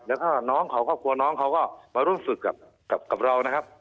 แล้วก็น้องเขาครอบครัวน้องเขาก็มาร่วมฝึกกับเรานะครับ